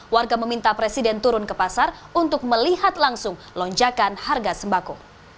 warga meminta presiden turun ke pasar untuk melihat langsung lonjakan harga sembako